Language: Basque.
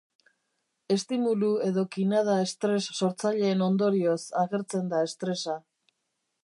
Estimulu edo kinada estres sortzaileen ondorioz agertzen da estresa.